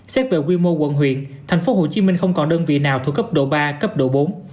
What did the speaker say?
xét về quy mô quận huyện tp hcm không còn đơn vị nào thuộc cấp độ ba cấp độ bốn